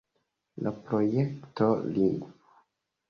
La projekto lingvo.